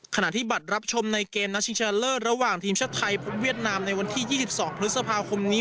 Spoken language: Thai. ขณะที่บัตรรับชมในเกมนัดชิงชนะเลิศระหว่างทีมชาติไทยพบเวียดนามในวันที่๒๒พฤษภาคมนี้